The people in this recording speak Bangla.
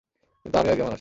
কিন্তু আমিও একজন মানুষ।